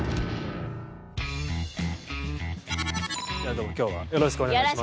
どうも今日はよろしくお願いします。